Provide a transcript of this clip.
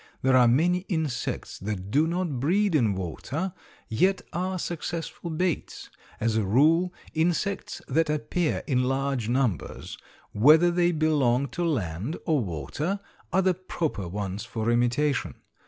There are many insects that do not breed in water, yet are successful baits. As a rule, insects that appear in large numbers, whether they belong to land or water, are the proper ones for imitation.